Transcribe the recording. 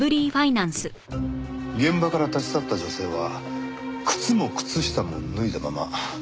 現場から立ち去った女性は靴も靴下も脱いだまま。